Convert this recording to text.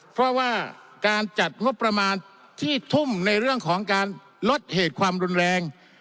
เพราะว่าการจัดงบประมาณที่ทุ่มในเรื่องของการลดเหตุความรุนแรง